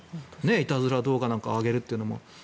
いたずら動画を上げるというのも。